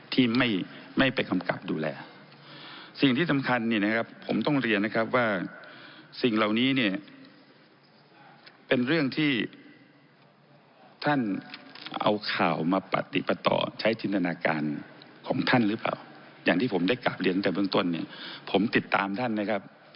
ที่ผมได้กลับเรียนตั้งแต่เบื้องต้นเนี่ยผมติดตามท่านนะครับ